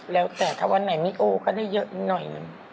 แล้วแต่ถ้าวันไหนไม่โอเขาได้เยอะนิดหน่อย